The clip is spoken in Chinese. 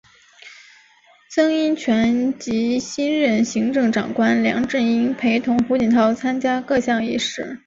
曾荫权及新任行政长官梁振英陪同胡锦涛参加各项仪式。